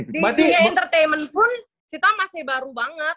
di entertainment pun sita masih baru banget